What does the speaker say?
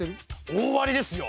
大ありですよ。